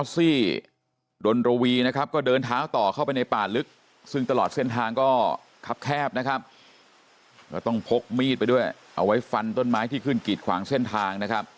ตรงลิขีตรัดเปลือกปลาสีน้ำ